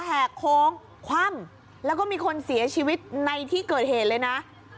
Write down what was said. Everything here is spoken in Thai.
แหกโค้งคว่ำแล้วก็มีคนเสียชีวิตในที่เกิดเหตุเลยนะ